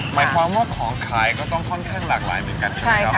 หมายความว่าของขายก็ต้องค่อนข้างหลากหลายเหมือนกันใช่ไหมครับ